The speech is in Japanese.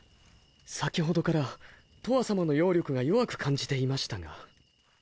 先程からとわさまの妖力が弱く感じていましたが。